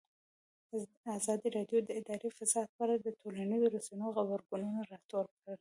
ازادي راډیو د اداري فساد په اړه د ټولنیزو رسنیو غبرګونونه راټول کړي.